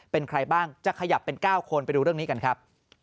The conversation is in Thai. เป็นใครบ้างจะขยับเป็น๙คนไปดูเรื่องนี้กันครับ